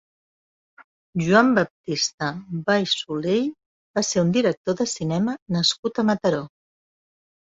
Joan Baptista Bellsolell va ser un director de cinema nascut a Mataró.